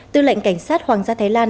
tư lệnh cảnh sát hoàng gia thái lan